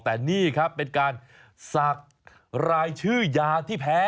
แต่นี่ครับเป็นการศักดิ์รายชื่อยาที่แพ้